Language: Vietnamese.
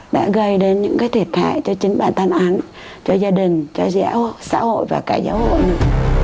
đã gây đến những cái thiệt hại cho chính bản thân anh cho gia đình cho giáo hội và cả giáo hội